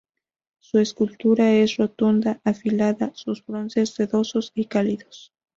Su escultura es rotunda, afilada; sus bronces sedosos y cálidos.